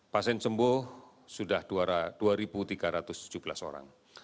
pasien sembuh sudah dua tiga ratus tujuh belas orang